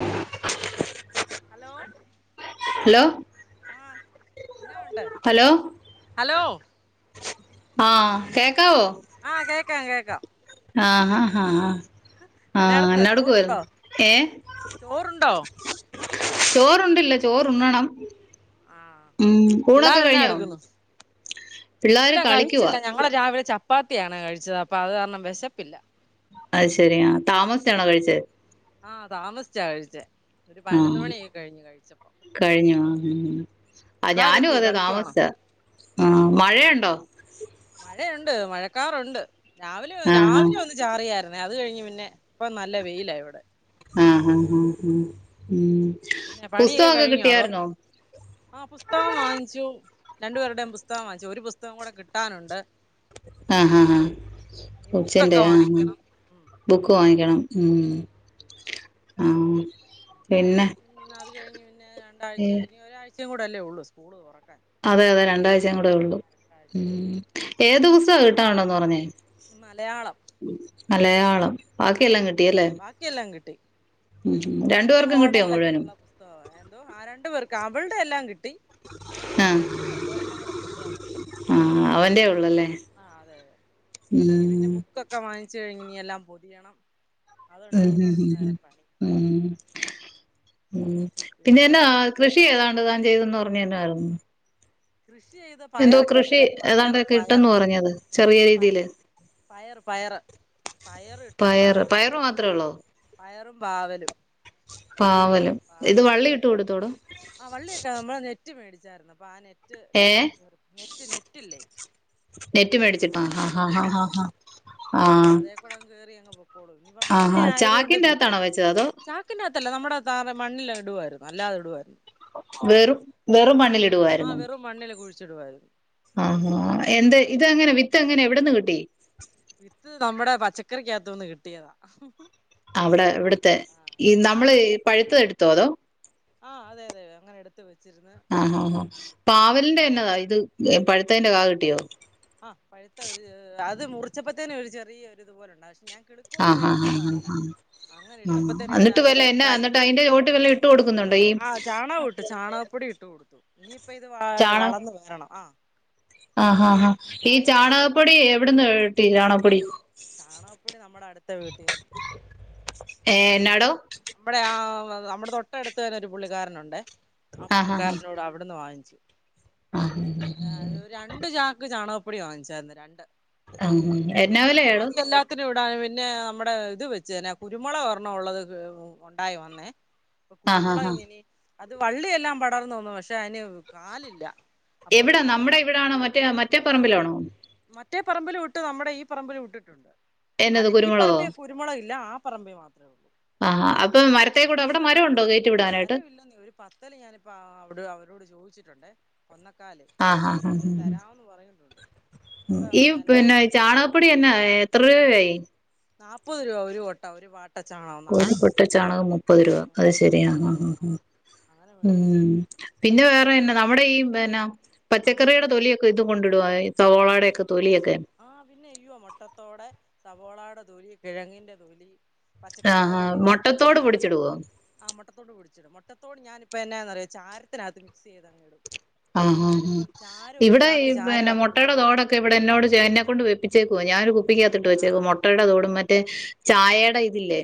Hello hello hello ആഹ് എന്നാ ഉണ്ട് ഹലോ ഹലോ ആഹ് കേക്കാവോ? ആഹ് കേക്കാം കേക്കാം ആഹ് ആഹ് ഹാ എന്നാ ആഹ് എടുക്കുവാ എന്ന ചോറുണ്ടോ എടുക്കുവായിരുന്നു? ഏഹേ? ചോറുണ്ടോ ചോറുണ്ടില്ല ചോറുണ്ണണം ആഹ് ഉം പിള്ളേർ ഊണൊക്കെ എന്നാ കഴിഞ്ഞോ? എടുക്കുന്നു പിള്ളേര് ഇല്ല കളിക്കുവാ കഴിച്ചില്ല ഞങ്ങള് രാവിലെ ചപ്പാത്തിയാണ് കഴിച്ചത് അപ്പൊ അത് കാരണം വിശപ്പില്ല അത് ശരി ആ താമസിച്ചാണോ കഴിച്ചത്? ആഹ് താമസിച്ച കഴിച്ചേ ഒരു പതിനൊന്ന് മണിയായി കഴിഞ്ഞു കഴിച്ചപ്പോ കഴിഞ്ഞോ ആ ഞാനും പിള്ളേരെത്തിയോ അതെ കളിക്കുവാണോ താമസിച്ച ആഹ് മഴയുണ്ടോ? മഴയുണ്ട് മഴക്കാറുണ്ട് രാവിലെ ആ ആ രാവിലെ ഒന്ന് ചാറിയായിരുന്നേ അത് കഴിഞ്ഞ് പിന്നെ ഇപ്പ നല്ല വെയില ഇവിടെ ആഹ് ആഹ് ഹ് ഹ് ഉം പിന്നെ പണിയൊക്കെ പുസ്തകമൊക്കെ കഴിഞ്ഞോ അതോ? കിട്ടിയായിരുന്നോ ആഹ് പുസ്തകം വാങ്ങിച്ചു രണ്ടു പേരുടെയും പുസ്തകം വാങ്ങിച്ചു ഒരു പുസ്തകം കൂടെ കിട്ടാനുണ്ട് ആഹ് ആഹ് ആഹ ഇനി കൊച്ചിന്റെ ബുക്കൊക്കെ ആഹ് ആഹ് വാങ്ങിക്കണം ഉം ബുക്ക് വാങ്ങിക്കണം ഉം ആ ബുക്ക് മേടിക്കണം ആഹ് പിന്നെ അത് കഴിഞ്ഞ് പിന്നെ രണ്ടാഴ്ച കഴിഞ്ഞ് ഒരാഴ്ചയും കൂടെ അല്ലേ ഉള്ളൂ സ്കൂള് തുറക്കാൻ അതെ അല്ലേ അതെ രണ്ട് ആഴ്ച കൂടെ ഉള്ളൂ ആ രണ്ടാഴ്ചയും കൂടെ ഉം ഏത് ഉണ്ടല്ലോ പുസ്തകം കിട്ടാനുണ്ടന്ന് പറഞ്ഞെ മലയാളം മലയാളം ബാക്കിയെല്ലാം കിട്ടിയല്ലെ ബാക്കി എല്ലാം കിട്ടി ഇപ്പൊ പുതിയ പേർക്കും കിട്ടിയോ മോഡലൊക്കെ മുഴുവനും ഉള്ള പുസ്തകം എന്തോ രണ്ട് പേർക്ക് അവള്ടെ എല്ലാം കിട്ടി ഇനി ആഹ് അവന്റേം കൂടെ ഒരെണ്ണം കൂടെ കിട്ടിയാ മതി ആഹ് അവന്റെ ഉള്ളല്ലെ ഉം ബുകൊക്കെ‌ വാങ്ങിച്ച് കഴിഞ്ഞ് ഇനി എല്ലാം പൊതിയണം അതുണ്ട് ഇനി ഉം കുറച്ചു ഉം നേരം പണി ഉം ഉം പിന്നെ പിന്നെന്നാ വേറെ കൃഷി ഏതാണ്ട് താൻ ചെയ്തെന്ന് പറഞ്ഞെ എന്നതായിരുന്നു കൃഷി ചെയ്ത എന്തൊ പയറൊക്കെ കൃഷി ആയിരുന്നു ഏതാണ്ട് പയറ് പയറ് കിട്ടന്ന് പറഞ്ഞാര്ന്ന് ചെറിയ ഉം പ രീതിയില് പയറ് പയറ് പയറ് ഇട്ട് പയറ് പയറ് പാവലിട്ട് മാത്രെ ആ ഉള്ളൊ പയറും പാവലും പാവലും ഇത് വള്ളി ഇട്ട് കൊടുത്തോട ആഹ് വള്ളിയൊക്കെ നമ്മളെ നെറ്റ് മേടിച്ചാര്ന്ന് അപ്പൊ ആഹ് നെറ്റ് കൂടെ ഏഹ് നെറ്റ് നെറ്റില്ലെ നെറ്റ് മേടിച്ചിട്ടാ ഹാ ഹാ ഹാ ഹാ മേടിച്ചിട്ടു അപ്പൊ ആഹ് അതേ കൂടങ്ങ് കേറി അങ് പൊക്കോളും ഇനിപ്പ മഴ ആഹാ അയത്കൊണ്ട് ചാക്കിന്റെ അകത്താണോ വെച്ചത് അതോ ച ക്കിന്റ അകത്തല്ലെ നമ്മടെ തറ മണ്ണിലത് ഇടുവാര്ന്നു അല്ലാതിടുവാര്ന്നു വെറും വെറും ആ മണ്ണിലിടുവാര്ന്നൊ വെറും മണ്ണില് കുഴ് ച്ചിടുവായിരുന്നു ആഹാ എന്തെ ഇതങ്ങനെ വിത്ത് എങ്ങനെ എവിടന്ന് കിട്ടി വിത്ത് നമ്മടെ പച്ചക്കറിക്കകത്തൂന്ന് കിട്ടിയത അവ്ടെ ഇവിടുത്തെ ഈ നമ്മള് പഴുത്തത് എടുത്തൊ അതോ ആഹ് അതെ അതെ അങ്ങനെ എടുത്ത് വെച്ചിരുന്ന് ആഹ് ആഹ് ആഹ് ഇട്ടതാ പാവൽന്റെ എന്നതാ ഇത് പഴുത്തതിന്റെ കാ കിട്ടിയോ ആഹ് പഴുത്ത ഒര് അത് മുറിച്ചപ്പൊത്തന്നെ ഒരു ചെറിയ ഒരു ഇത്പോലെണ്ടാ പക്ഷെ ഞാൻ കിളുക്കോന്ന് ആഹ് ആഹ് ആഹ് വിചാരിച്ചിട്ടതല്ല ആഹ് അങ്ങനെ ഇട്ടപ്പത്തേനും ആഹ് എന്നിട്ട് ഏതായാലും അത് വല്ല എന്നാ ഉണ്ടായി എന്നിട്ട് അതിന്റെ ചോട്ടി വല്ലൊ ഇട്ട് കൊടുക്കുന്നുണ്ടൊ ഈ ആ ചാണകം ചാണകപ്പൊടി ഇട്ട് കൊടുത്തു ഇനി ഇപ്പൊ ഇത് ചാണ വളർന്ന് വരണം ആഹ് ആഹ് ആഹ് ആഹ് ഈ ഉള്ളൂ ചാണകപ്പൊടി എവിട്ന്ന് കിട്ടി ചാണകപ്പൊടി ചാണകപ്പൊടി നമ്മടെ അടുത്ത വീട്ടീന്ന് കിട്ടി ഏഹ് അവിടൊരു പുള്ളി എന്നാടോ നമ്മടെ ആഹ് നമ്മടെ തൊട്ട അടുത്ത് തന്നെ ഒരു പുള്ളിക്കാരനുണ്ടെ ആഹ് പുള്ളിക്കാരനോട് അവിടുന്ന് വാങ്ങിച്ചു ആഹ് ആ ഒരു [unintelligible] രണ്ട് ചാക്ക് ചാണകപ്പൊടി വാങ്ങിച്ചാര്ന്ന് രണ്ട് ആഹ് എന്നാ വെലയാടൊ എല്ലാത്തിനിവ്ട പിന്നെ നമ്മടെ ഇത് വെച്ച് തന്നെ കുരുമുളക് ഒരണം ഉള്ളത് ഉണ്ടായി വന്നേ ഇപ്പൊ ആഹ് ആഹ് കുരുമുളക് ആഹ് എങ്ങനി അത് വള്ളിയെല്ലാം പടർന്നൊന്നു പക്ഷെ അയിന് കാലില്ല അപ്പൊ ഒരു എവിടാ കൊന്ന നമ്മുടെ ഇവിടാണൊ, മറ്റെ മറ്റെ പറമ്പിലാണോ. മറ്റേ പറമ്പിലും ഇട്ട് നമ്മുടെ ഈ പറമ്പിലും ഇട്ടിട്ടുണ്ട്. എന്നത് അല്ലെ ഈ കുരുമുളകോ പറമ്പില [unintelligible] കരുമുളക് ഇല്ല. ആ പറമ്പ് മാത്രെയൊള്ളു. ആഹ് അപ്പൊ മരത്തെക്കൂടെ അവിടെ മരം ഉണ്ടൊ ഗേ [unintelligible] മരവില്ലെന്നെ. ഒരു പത്തല് ഞാനിപ്പോ അ അവരോട് ചോദിച്ചിട്ടുണ്ട് ഒന്നക്കാല്. ആഹ് ഹഹ് ഹ് ഹ് ന്ന് പറഞ്ഞിട്ടുണ്ട് ഈ ഇപ്പം എന്നാ പിന്നെ ചാണകപ്പൊടി എന്നാ എത്ര രൂവയായി. നാപ്പത് രൂപ ഒരു കൊട്ട ഒരു വാ ഒരു കൊട്ട ചാണകം മുപ്പത് രൂപ. അത് ശരിയാ ആഹ് ഉം ആഹ് ഉം ഉം ആഹ് അങ്ങനെ മേടിച്ചു ഉം പിന്നെ വേറെന്നാ നമ്മുടെ ഈ പിന്നെ അഞ്ച് പച്ചക്കറിയുടെ കൊട്ട തൊലിയൊ ഇത് കൊണ്ടിടുവാ ഈ സവാളേടെ ഒക്കെ തൊലിയൊക്കെ ആഹ് പിന്നെ ഇയ്യോ മുട്ടത്തോട് സവോളയുടെ തൊലി. കിഴങ്ങിന്റെ തൊലി. ആഹ് ആഹ് മുട്ടത്തോട് പൊടിച്ചിടുവോ. ആഹ് മുട്ടത്തോട് പൊടിച്ച്ടും. മൊട്ടത്തോട് ഞാനിപ്പ എന്നാന്ന് അറിയുവോ ചാരത്തിനകത്ത് മിക്സ് ചെയ്ത് അങ്ങിടും. ആഹ് ആഹ് ആഹ് ഇവിടെ ഈ ചാക്ക് പിന്നെ ചാരമാക്കി മുട്ടയുടെ വെച്ചിട്ടുണ്ട് തോടൊ ത് ഇവ്ടെന്നോട് ചെ എന്നെ കൊണ്ട് വെപ്പിച്ചേക്ക്വ. ഞാ ഒരു കുപ്പിക്കാത്ത്ട്ട് വെച്ചേകുവ ആഹ് മൊട്ടേട തോടും മ റ്റ് ചായേട ഇതില്ലെ.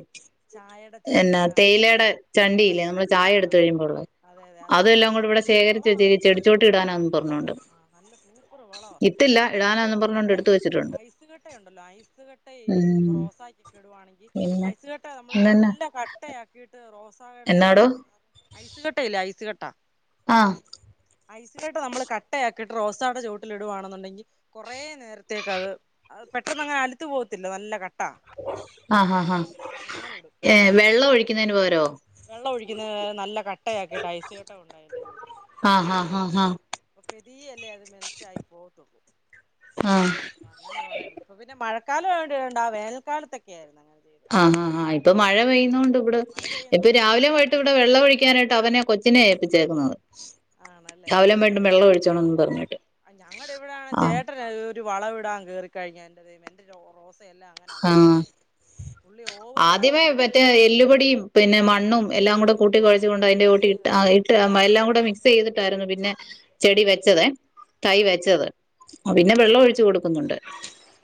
ചായേ എന്നാ തേയ്ലേട ചണ്ടിയില്ലേ ചണ്ടി ഞമള് ആഹ് ചായ ഇട്ത്ത് ആഹ് കഴിയുമ്പോള്ള. അതെ അതെ അതെക്ക നല്ലത് കോളാ ഇത് [unintelligible] ചെടിച്ചോട്ടി ഇടാനാന്നും പറ്ഞ്ഞോണ്ട്. ആ നല്ല സൂപ്പറ് വളവാ. പിന്നെ ഒണ്ട് ഇടാനാന്നും പിന്നെ പറഞ്ഞോണ്ട് നമ്മുടെ എടുത്ത് വെച്ചിട്ടുണ്ട് ഐസ്കട്ടെ ഒണ്ടല്ലോ ഐസ്കെട്ട ഈ ഉം പ്രോസാക്ക്ക്ക്ടുവാണെങ്കി പിന്നെ ഐസ്ക ട്ട നമ്മള് ഇന്നെന്നാ നല്ല കട്ടയാക്കിട്ട് റോസായ്ട എന്നാടോ ചോട്ടിലൊ [unintelligible] ന്ന് ഐസ്കട്ട ഇല്ലെ ഐസ്കട്ട ആഹ് ഐസ്കട്ട നമ്മള് ക ട്ട ആക്കിയിട്ട് റോസാട ചോട്ടിലിടുവാണെന്ന്ണ്ടെങ്കി കൊറേ നേരത്തേക്ക് അത് അത് പെട്ടെന്നങ്ങ് അലുത്ത് പോകത്തില്ല നല്ല കട്ട. ആ ഹാ ഹാ ഏ വെള്ളൊഴ്ക്ക്ന്നെന് പകരോ. വെള്ളൊഴിക്ക്ന്നത് നല്ല കട്ടയാക്കിയിട്ട് ഐസ് കട്ട കൊണ്ടയ്ന്റ ചോട്ട്ല് ആഹ് ഹ ഹ ആഹ് അപ് പെതീയെലെ. അത് മെൽറ്റായ് പോത്തൊള്ളു. ആഹ് അങ്ങന കൊറെ. ഇപ്പ പിന്ന മഴക്കാലവായോണ്ടിടണ്ട ആ വേനൽക്കാലത്തെക്കെയാര്ന്ന് അങ്ങന ചെയ്യല്. ആഹാ ഹ. ഇപ്പം മഴ പെയ്ന്നോണ്ട് ഇബ്ട് മഴ ഇപ്പ പെയ്യുന്നോണ്ട് രാവിലെ പൊയ്ട്ട് കൊഴപ്പ ഇവ്ട വെള്ള ഒഴി ക്കാനായിട്ട് അവനെ കൊച്ച്നെ ഏപ്പിച്ചേക്ക്ന്നത്. ആണല്ലേ രാവിലെ ആഹ് ആഹ് വൈകിട്ടും വെള്ളം ഒഴ്‌ച്ചോണംന്ന് പർഞ്ഞട്ട് ആഹ് ഞങ്ങടെ ഇവിടാണെ ആഹ് ചേട്ടന് ഒരു വളവ്ടാം കേറിക്കഴ്‌ഞ്ഞ എന്റെ ദൈവമെ എന്റരൊ റോസെയെല്ലാ ആ അങ്ങനാന്നെ പോയെ പുള്ളി ഓവർ വളം ആദ്യമേ കയറ്റി വറ്റേ അങ്ങ് കിടക്കും എല്ലുപൊടിം പിന്നെ മണ്ണും എല്ലാം കൂടക്കൂട്ടി കൊഴച്ച്കൊണ്ട് അയ്ന്റ മിക്സ് ചൊട്ടി ഇട്ട ചെയ്ത് ആ ഇ ട്ട് മ എല്ലാകുടെ മിക്സെയ്തട്ടാര്ന്ന് പിന്നെ ചെടി വെച്ചതെ. തൈ ആഹ് വെച്ചത് ആ ഉം പിന്നെ വെള്ളൊഴ്‌ച്ച് കൊട്ക്കുന്നുണ്ട്.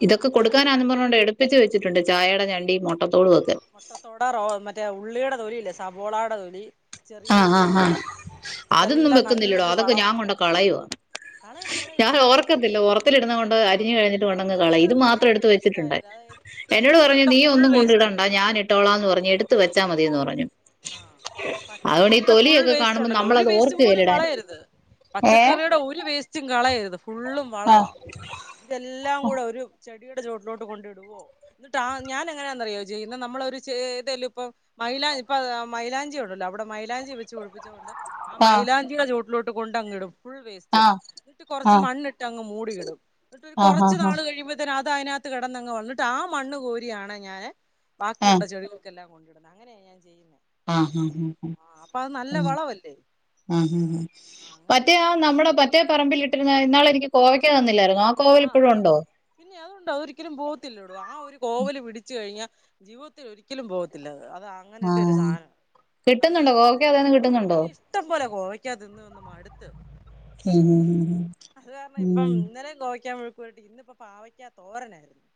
ഇതൊക്ക ആഹ് കൊട്ക്കാനാന്ന് പർഞ്ഞൊണ്ട് എട് ഒപ്പിച്ച് വെച്ച്ട്ടൊണ്ട്. ചായെട ഞണ്ടിം മൊട്ടത്തോടു ഒക്കെ. മൊട്ടത്തോട് റോ മറ്റെ ഉള്ളിടെ, തൊലില്ലെ സവോളാട തൊലി ചെറിയ ആ അ ഉള്ളിയുടെ ഹ തൊലി അതൊന്നും ഇതെല്ലാം വെക്ക്ന്നില്ലടോ നല്ലൊരു അതൊക്കെ ഞാ വളവാ കൊണ്ട് കളയ്യാണ്. കളയല്ല് കളയല്ല് ഞാന് ഇതെല്ലാം ഓർക്കത്തില്ലാ നമ്മളീ [unintelligible] കൊണ്ട് അരിഞ്ഞ് ആഹ് കഴിഞ്ഞിട്ട് കൊണ്ടങ്ങ് കളയും മൊറത്തിലിട്ട് ഇത് മാത്രം ഏത് എട്ത്ത് വേസ്റ്റ് വെച്ചിട്ടൊണ്ട് ആയാലും അതായത് എന്നോട് പറഞ്ഞു പച്ചക്കറിയുടെ നീ ഫുൾ ഒന്നും വേസ്റ്റും കൊണ്ടിടെണ്ടാ ഞാന് ഇട്ടോളാന്ന് പറഞ്ഞു എടുത്ത് വെച്ചാ മതിയെന്ന് പറഞ്ഞു അതുകൊണ്ട് ഈ പച്ചക്കറീടെ ഫുൾ തൊലിയൊക്കെ കാണുമ്പോൾ വേസ്റ്റൊണ്ടല്ലോ ഒര് നമ്മളത് വേസ്റ്റ് പോലും ഓർക്കുകയില്ലടാൻ കളയര്ത് ഏ പച്ചക്കറിടെ ടെ ഒരു വേസ്റ്റും കളയര്ത് ഫുള്ളും ആ വളവാ ഇതെല്ലാം കൂടെ ഒരു ചെടിടേ ചോട്ടിലോട്ട് കൊണ്ടിടുവോ ഇന്ന്ട്ട് ആഹ് ഞാനെങ്ങനാന്നറിയോ ചെയ്യുന്നെ നമ്മളൊരു ചേ ഏതേലും ഇപ്പം മൈലാ ഇപ്പ ആഹ് മൈലാഞ്ചി ഒണ്ടല്ലോ അവിടെ മൈലാഞ്ചി വെച്ച് പിടിപ്പിച്ച കൊണ്ട് ആ മൈലാഞ്ചീടെ ചോട്ടിലോട്ട് കൊണ്ടങ്ങിടും ഫുൾ ആ വേസ്റ്റും ആ ഇന്ന്ട്ട് കൊറച്ച് ആ മണ്ണ്ട്ടങ്ങ് മുടീ ഇടും ഇന്നട്ടൊരു ആ കൊറച്ച് നാള് ആ കഴിയിമ്പ ത്തേന് അതയ്നാത്ത് കെടന്നങ്ങ് വള ഇന്നട്ട് ആ മണ്ണ് കോരിയാണ് ഞാന് ബാക്കിയൊള്ള ചെടികളൊ ക്കെല്ലാം കൊണ്ട് ഇട്ന്നെ അങ്ങനെയാ ഞാൻ ചെയ്യ്ന്നെ ആ ആ ആ ആഹ് അപ്പ അത് നല്ല വളവല്ലേ ആഹ് ആഹ് ആഹ് ആ അങ്ങനെ മറ്റേ ആ ചെയ്താ മതി നമ്മടെ മറ്റേ പറമ്പിലി ഇടുന്നെ ഇന്നാളെനിക്ക് കോവയ്ക്ക തന്നില്ലായിരുന്നോ? ആഹ് ആഹ് പിന്നെ അതൊണ്ട് അതൊരിക്കലും പോകത്തില്ലടോ ആഹ് ഒരു കോവല് പിടിച്ചു കഴിഞ്ഞാ ജീവിതത്തിലൊരിക്കലും പോവത്തില്ല അത് അതാ ആഹ് കിട്ടുന്നൊണ്ടോ കോവക്ക അതേന്ന് കിട്ടുന്നൊണ്ടോ? ഇഷ്ട്ടം പോലെ കോവയ്ക്ക തിന്ന് തിന്ന് മടുത്ത് ഉം ഉം അത് കാര്ണം ഉം ഇപ്പം ഉം. ഇന്നലെ കോവയ്ക്കാ മെഴുക്കു പെരട്ടി ഇന്നിപ്പോ പാവയ്ക്കാ തോരനായിരുന്നു.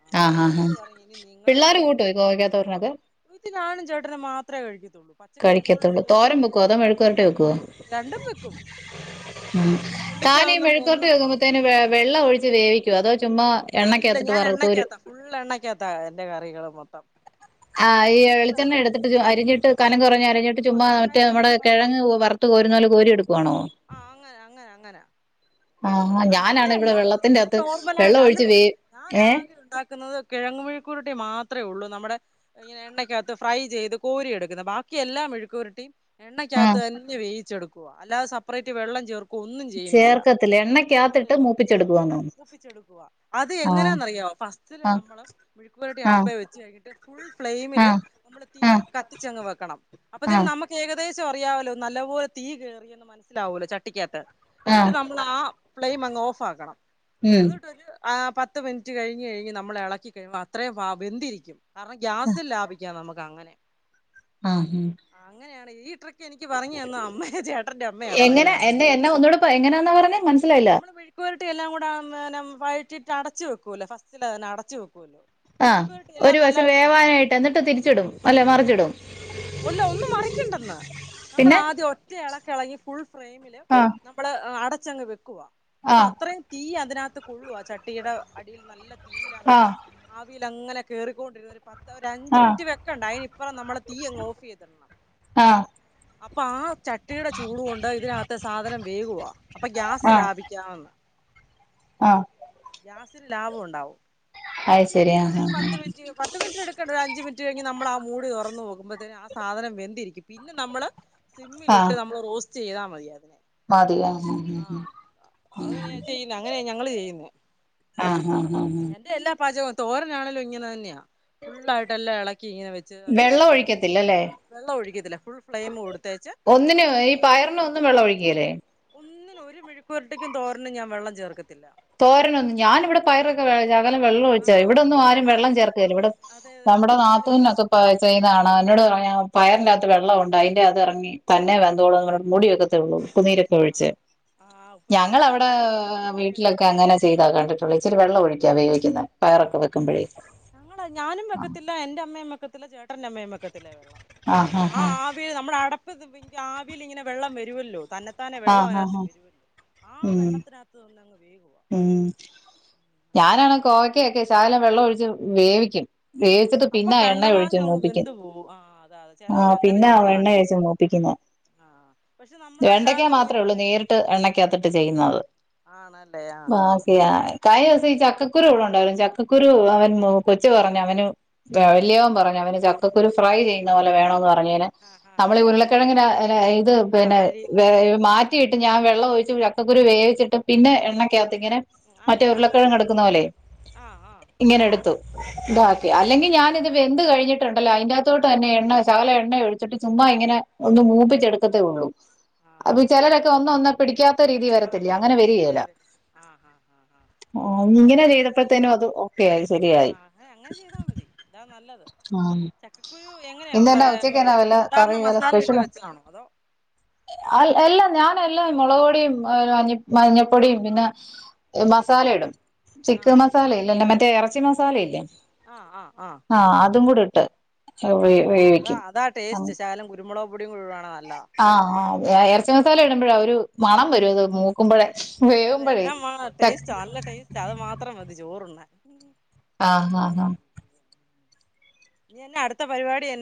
ആ ആഹ് അപ്പൊ ആഹ് എന്നോട് ആഹ് പറഞ്ഞു ഇനി പിള്ളാര് കൂട്ടുവോ ഈ കോവക്കാത്തോരനൊക്കെ? ത്തി ഞാനും ചേട്ടനും മാത്രേ കഴിക്കത്തുള്ളൂ പ കഴിക്കത്തൊള്ളൂ തോരം വെക്കുവോ അതോ മെഴുക്കുവരട്ടി വെക്കുവോ? രണ്ടും വെക്കും ആ ഉം ഈ താനീ പുള്ളിക്കാവൊന്നും മെഴുക്കുവരട്ടി എന്നും വെക്കുമ്പത്തേനും വെ വെള്ളം ഒഴിച്ച് വേവിക്കുവോ അതോ ചുമ്മാ എണ്ണക്കാത്തിട്ട് വറ് കോരും ഫുള്ള് എണ്ണക്കാത്താ എന്റെ കറികള് മൊത്തം ആഹ് ഈ ഒന്നിലും വെള്ളം വെളിച്ചണ്ണ എടുത്തിട്ട് ചു ഒഴിക്കത്തില്ല അരിഞ്ഞിട്ട് കനം ആ കൊറഞ്ഞരിഞ്ഞിട്ട് വ ചുമ്മാ കഴ മറ്റേ നമ്മടെ വഴറ്റി കെഴങ്ങ് പോ വറ് ത്തിട്ട് കോരുന്ന പോലെ കോരി എടുക്കുവാണോ? ആഹ് അങ്ങനാ അങ്ങനാ അങ്ങനാ ആഹാ ഞാനാണ് ഇവിടെ അങ്ങനല്ലാ വെള്ളത്തിന്റെ ഞാൻ അകത്ത് വെള്ളം ഒഴിച്ച് നോർമലായിട്ടല്ലടോ വേ ഏ ഞാനാകെ ഒണ്ടാക്കുന്നത് കെഴങ്ങുമെഴുക്കുവരട്ടി മാത്രേ ഒള്ളൂ നമ്മടെ ഇങ്ങനെ എണ്ണക്കാത്ത് ഫ്രൈ ചെയ്ത് കോരി എടുക്കുന്നെ ബാക്കി എല്ലാം മെഴുക്കുവരട്ടിം ആ എണ്ണക്കകത്ത് തന്നെ വേവിച്ചെടുക്കുവാ അല്ലാതെ സെപ്പറേറ്റ് വെള്ളം ചേർ ചേർക്കത്തില്ലാ എണ്ണക്കാത്തിട്ട് മൂപ്പിച്ചെടുക്കുവാന്നോ മൂപ്പിച്ചെടുക്കുവാ അത് ആ എങ്ങനാന്നറിയാവോ ഫസ്റ്റില് ആ നമ്മള് മെഴുക്കു വരട്ടി ആ അടുപ്പേ വെച്ച് കഴിഞ്ഞിട്ട് ഫുൾ ആ ഫ്ലെയ്മില് നമ്മള് തീ ആ കത്തിച്ചങ്ങ് വെക്കണം അപ്പത്തേനും നമ്മക്കേകദേശം അറിയാവല്ലോ നല്ലപോലെ തീ കേറിയെന്നും മനസ്സിലാവോല്ലോ ചട്ടിക്കാത്ത് ആ ആ ഇന്നിട്ട് നമ്മളാ ഫ്ലെയിംമങ്ങ് ഓഫാക്കണം. ഉം അന്ന്ട്ടൊരു ആഹ് പത്ത് മിൻറ്റ് കഴിഞ്ഞ് കഴിഞ്ഞ് നമ്മളെളക്കി കഴിയുമ്പോ അത്രയും ഭാ വെന്തിരിക്കും കാരണം ആ ഗ്യാസും ലാഭിക്കാം നമ്മക്കങ്ങനെ ആഹ് ഉം ആഹ് ആങ്ങനെയാണ് ഈ ട്രി ക്കെനിക്ക് പറഞ്ഞ് തന്നെ അമ്മയാ ചേട്ടന്റെ അമ്മയാ പറഞ്ഞ് എങ്ങനെ തന്നെ എന്നെ എന്നെ ഒന്നൂടെ പ എങ്ങനാന്നാ പറഞ്ഞെ മനസ്സിലായില്ല നമ്മള് മെഴ് ക്കുവരട്ടി എല്ലാം കൂടെ അന്നേരം വഴറ്റീട്ട് അടച്ചു വെക്കൂല്ലോ ഫസ്റ്റില്തന്നെ അടച്ചു വെക്കൂല്ലോ ആഹ് മെഴുക്കുപുരട്ടി ഒരു എല്ലാം വശം നല്ലായിട്ട് വേവാനായിട്ട് എന്നിട്ട് തിരിച്ചിടും അല്ലേ മറിച്ചിടും ഒല്ലാ ഒന്നും മറിക്കണ്ടെന്ന് പിന്നെ നമ്മളാദ്യം ഒറ്റ എളക്കെളകി ഫുൾ ഫ്രെയിമില് ആ നമ്മള് അടച്ചങ്ങ് വെക്കുവാ ആ അപ്പ അത്രയും തീ അതിനകത്ത് കൊള്ളും ആഹ് ചട്ടീടെ അടിയിൽ നല്ല ആ തീയിലങ്ങനെ ആവിയിലങ്ങനെ കേറിക്കൊണ്ടിരുന്നൊരു പത്ത് ഒരു അഞ്ചു ആ മിനിറ്റ് വെക്കണ്ട അയ്നിപ്പറം നമ്മള് തീയങ്ങ് ഓഫെയ്തിടണം ആ അപ്പാ ചട്ട് ചട്ടീടെ ചൂടു കൊണ്ട് ഇതിനകത്തെ സാധനം വേകുവാ അപ്പൊ ഗ്യാസ് ലാഭിക്കാന്ന് അഹ് ഗ്യാസിന് ലാഭം ഉണ്ടാവും അത് ശരി ആ എന്നിട്ടൊരു ആ പത്ത് മിൻറ്റ് പത്ത് മിൻറ്റെടുക്കണ്ട ഒരഞ്ച് മിൻറ്റ് കഴിഞ് നമ്മളാ മൂടി തുറന്നു പോകും മ്പത്തേനും ആ സാധനം വെന്തിരിക്കും പിന്നെ നമ്മള് ആ സിമ്മിലിട്ട് നമ്മള് റോസ്റ്റൈയ്താ മതി അതിനെ. മതി ആ ആഹ് ആ അങ്ങനെയ ചെയ്യുന്ന അങ്ങനെയ ഞങ്ങള് ചെയ്യുന്നെ. ആഹ് അഹ് അഹ് ഇവ്ടെ എല്ലാ പാചകവും തോരനാണേലും ഇങ്ങനെ തന്നെയാ ഫുള്ളായിട്ട് എല്ലാം എളക്കി ഇങ്ങനെ വെച്ച് അത്തിപ്പ ഒഴിക്കത്തില്ലലേ? വെള്ളം ഒഴിക്കത്തില്ല ഫുൾ ഫ്ലെയിം കൊടുത്തേച്ച് ഒന്നിനും പത്ത് ഈ മിനിറ്റത് പയറിന് ഒന്നും വെള്ളം ഒഴിക്കുകേലേ ഒന്നിനും ഒരു മെഴ്ക്കുവര്ട്ടിക്കും തോരനും ഞാ വെള്ളം ചേർക്കത്തില്ല തോരനൊന്നും ഞാനിവിടെ പയറൊക്കെ വേ ശകലം വെള്ളം ഒഴിച്ചാ ആഹ് ഇവിടൊന്നും ആരും ഞാൻ വെള്ളം ചേർക്കേല്ല ഇവിടെ അതെ അതെ നമ്മടെ ഇന്നാളി നാത്തുന്നൊക്കെ പറഞ്ഞു പാ പെയ്ന്നാണ എന്നോട് പറഞ്ഞ് പയറിന്റാത്ത് വെള്ളവുണ്ട് അയ്ന്റതെർങ്ങി തന്നെ വെന്തോളുംന്നർഞ്ഞ് മൂടിവെക്കത്തെയുള്ളൂ ഉപ്പുന്നീര് ഒഴിച്ച് ആഹ് ആഹ് ഉപ്പുനീര് ഒഴിച്ച് ഞങ്ങളവിട കഴിയുമ്പോ അതിനകത്ത് ചെറിയ വെള്ളം വരുവല്ലോ ചെയ്താ കണ്ടിട്ടുള്ള ഇച്ചരി വെള്ള ഒഴിക്ക വേവിക്കുന്ന പയറൊക്കെ വെക്കുമ്പോഴേക്കും ഞങ്ങളെ ഞാനും വെക്കത്തില്ല എന്റെ അമ്മയും വെക്കത്തില്ല ചേട്ടന്റെ അമ്മയും വെക്കത്തില്ല വെള്ളം ആഹ് ആ വിയിൽ നമ്മുടെ അടപ്പ് ആവിയിൽ ഇങ്ങനെ വെള്ളം വരുമല്ലോ തന്ന താനെ വെള്ളം ആഹ് അതിനകത്ത് ആഹ് വരുവല്ലോ ആ ഉം വെള്ളത്തിനകത്ത് നിന്നങ്ങ് വേകുവാ ഉം ഉം അങ്ങനെയാ ഞാനാണ് ചെയ്യുന്നത് കോവക്കക്കെ ശകലം വെള്ളം ഒഴിച്ച് വേവിക്കും വേവിച്ചിട്ട് അപ്പൊ പിന്നെ എണ്ണ ഒഴിച്ച് കണ്ടമാനം അങ്ങ് മൂപ്പിക്കുന്ന വെന്ത് പോവും ആ അതാ അതെ ചിലവര് ആഹ് അങ്ങനെ പിന്നെ ആ ചെയ്യുന്ന എണ്ണ കണ്ടിട്ടുണ്ട് ഒഴിച്ച് മൂപ്പിക്കുന്ന ആഹ് പക്ഷെ വെണ്ടയ്ക്ക നമ്മളല്ലാതെ മാത്രേള്ളൂ ഇങ്ങനാണ് നേരിട്ട് എണ്ണയ്ക്കകത്തിട്ട് ചെയ്യുന്നത് ആണല്ലേ ആഹ് ആഹ് ആക്ക കഴിഞ്ഞ ദിവസം ഈ ചക്കക്കുരു ഇവിടെ ഉണ്ടാവാലും ചക്കക്കുരു അവൻ കൊച്ചു പറഞ്ഞു അവന് വ വലിയവൻ പറഞ്ഞ് അവന് ചക്കക്കുരു ഫ്രൈ ചെയ്യുന്ന പോലെ വേണോന്ന് പറഞ്ഞെന് ആഹ് ആഹ് അവൾ ആഹ് ആഹ് ഉരുളക്കിഴങ്ങിന ഇത് ആഹ് പിന്നെ അരിയുന്ന മാറ്റി റ്റിട്ട് ഞാൻ വെള്ളം ഒഴിച്ചും ചക്കക്കുരു വേവിച്ചിട്ടും പിന്നെ വേവിച്ചിട്ട് എണ്ണക്കകത്തി ഇങ്ങനെ ഉം ഉം മറ്റേ അങ്ങനെ ചെയ്താലും ഉരുളക്കിഴങ്ങ് മതി എടുക്കുന്ന പോലെ ആഹ് ആഹ് ഇങ്ങനെ എടുത്തു ഉം ഇതാക്കി അല്ലെങ്കിൽ ഞാനിത് വെന്ത് കഴിഞ്ഞിട്ടുണ്ടല്ലോ അതിന്റെകത്തോട്ട് തന്നെ എണ്ണ ശകലം എണ്ണയൊഴിച്ചിട്ട് ചുമ്മ ഇങ്ങനെ ഒന്ന് ഉം മൂപ്പിച്ചെടുക്കത്തേ ഉള്ളൂ അപ്പൊ ആഹ് ചിലരൊക്കെ അങ്ങനെയല്ലേ ഒന്ന് ഒന്ന് പിടിക്കാത്ത രീതി വര ആ ത്തില്ലേ അങ്ങനെ വരികേല വരും വരും ആഹ് ആഹ് ആഹ് ഓഹ് ആഹ് അത് ഇങ്ങനെ അങ്ങനെ ചെയ്യും ചെയ്തപ്പോഴത്തേനും അത് ഓക്കെ ആയി ശരിയായി ആഹ് അങ്ങനെ ചെയ്താ മതി ഇതാ നല്ലത് ആഹ് ചക്കക്കുരു എങ്ങനെയാ ഇന്നന്നാ ഫ്ര- മറ്റേ ഉച്ചക്കന്നാ വല്ല സാധാരണ കറി വല്ല മസാല ഇട്ട് സ്പെഷ്യൽ വെച്ചതാണോ അതോ അൽ എല്ലാം ഞാൻ എല്ലാം മുളക് പൊടിയും മഞ്ഞപ്പൊടിയും പിന്നെ മസാലയിടും ചിക്കൻ ആഹ് മസാലയില്ലല്ല മറ്റേ ഇറച്ചി മസാലയില്ലേ ആഹ് ആഹ് ആഹ് ആഹ് അതും കൂടിട്ട് ഉം അതാ അതാ ആഹ് ടേസ്റ്റ് ശകലം കുരുമുളക് പൊടിയും കൂടിടുവാണേ നല്ലാ ആഹ് അ ഇറച്ചി മസാല ഇടുമ്പോഴ ഒരു മണം വരും അത് മൂ ക്കുമ്പഴേ വേവുമ്പഴേ ച്ചത് മാത്രം മതി ചോറുണ്ണാൻ ഇനി ആഹ് ആഹ് ആഹ് ഇനിയെല്ലാം അടുത്ത പരിപാടി എന്